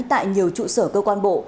tại nhiều trụ sở cơ quan bộ